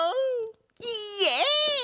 イエイ！